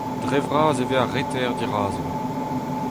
Dre-vras e vez ar reter dirazomp.